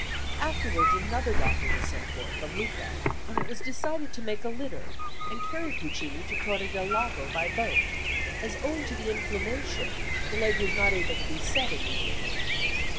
Afterwards another doctor was sent for from Lucca, and it was decided to make a litter and carry Puccini to Torre del Lago by boat, as owing to the inflammation the leg was not able to be set immediately.